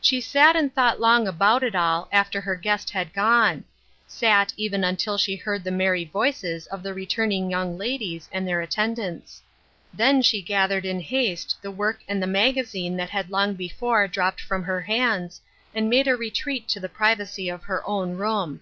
She sat and thought long about it all, after her guest had gone ; sat even until she heard the merry voices of the returning young ladies and their attendants. Then she gathered in haste the work and the magazine that had long before dropped from her hands, and made a retreat to the privacy of her own room.